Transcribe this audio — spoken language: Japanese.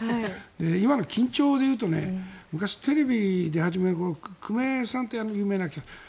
今の緊張でいうと昔、テレビに出始めの頃久米さんって有名な記者の。